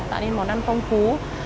tạo nên món ăn phong phú